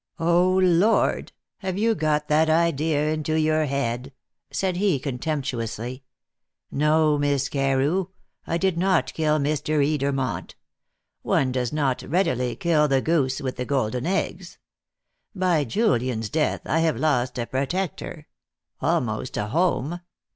"O Lord! Have you got that idea into your head?" said he contemptuously. "No, Miss Carew, I did not kill Mr. Edermont. One does not readily kill the goose with the golden eggs. By Julian's death I have lost a protector almost a home.